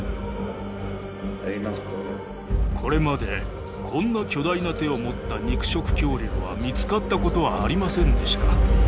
これまでこんな巨大な手を持った肉食恐竜は見つかったことはありませんでした。